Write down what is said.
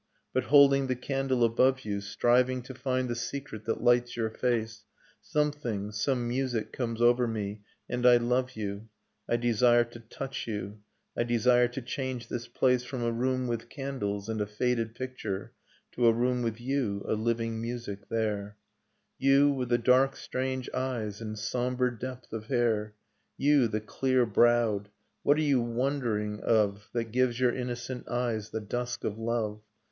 But holding the candle above you, Striving to find the secret that lights your face, Something, some music, comes over me, and I love you, I desire to touch you, I desire to change this place From a room/ with candles, and a faded picture, To a room with you, a living music, there, — You, with the dark strange eyes and sombre depth of hair. You, the clear browed — what are you wondering of Nocturne of Remembered Spring That gives your innocent eyes the dusk of love?